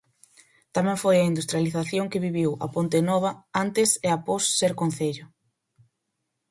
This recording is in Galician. Tamén foi a industrialización que viviu A Pontenova antes e após ser concello.